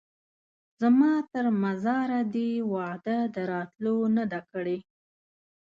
زما تر مزاره دي وعده د راتلو نه ده کړې